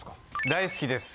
大好きです。